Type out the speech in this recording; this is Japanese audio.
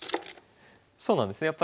そうなんです